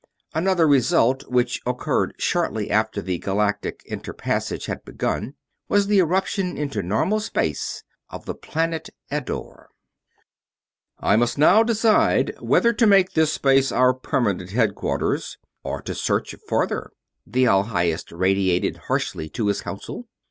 Another result, which occured shortly after the galactic inter passage had begun, was the eruption into normal space of the planet Eddore. "I must now decide whether to make this space our permanent headquarters or to search farther," the All Highest radiated harshly to his Council.